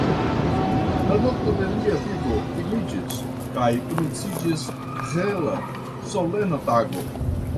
La nokto de lia vivo finiĝis, kaj komenciĝis hela, solena tago.